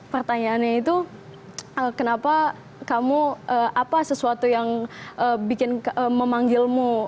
pertanyaannya itu kenapa kamu apa sesuatu yang bikin memanggilmu